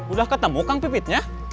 udah ketemu kang pipitnya